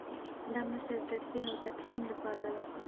دا مرسته د تدفین او تکفین لپاره ده.